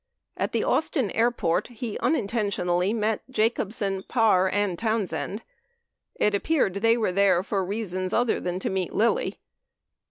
24 At the Austin Airport he unintentionally met Jacobsen, Parr, and Townsend. It appeared they were there for reasons other than to meet Lilly.